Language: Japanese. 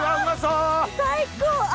最高！